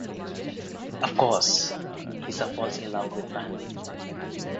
Of course, Lisa falls in love with Van.